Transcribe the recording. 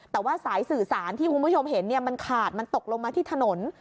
แต่ว่าสายสื่อสารที่คุณผู้ชมเห็นมันขาดมันตกลงมาที่ถนน